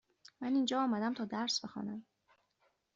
من اینجا آمدم تا درس بخوانم.